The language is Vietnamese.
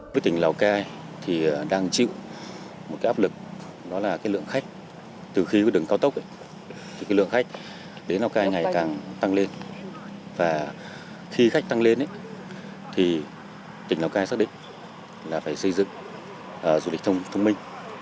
vì vậy tỉnh lào cai xác định là phải xây dựng du lịch thông minh